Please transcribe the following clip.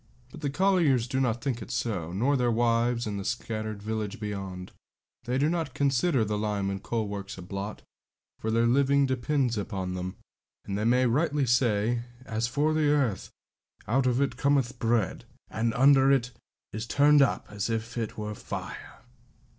But the colliers do not think it so, nor their wives in the scattered village beyond; they do not consider the lime and coal works a blot, for their living depends upon them, and they may rightly say, 'As for the earth, out of it cometh bread: and under it is turned up as it were fire.'